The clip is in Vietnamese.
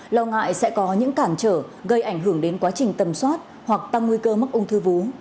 lo ngại sẽ có những cản trở gây ảnh hưởng đến quá trình tầm soát hoặc tăng nguy cơ mắc ung thư vú